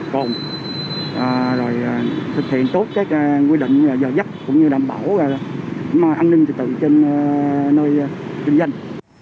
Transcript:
cồn rồi thực hiện tốt các quy định giờ dắt cũng như đảm bảo an ninh trật tự trên nơi kinh doanh